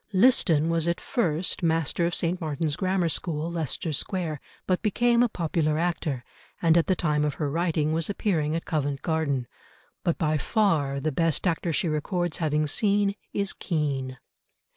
Liston was at first master of St. Martin's Grammar School, Leicester Square, but became a popular actor, and at the time of her writing was appearing at Covent Garden. But by far the best actor she records having seen is Kean.